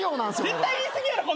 絶対言い過ぎやろ！